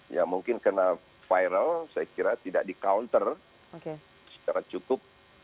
ya mungkin karena viral saya kira tidak di counter secara cukup